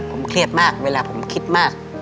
ผมเครียดมากเวลาผมคิดมาก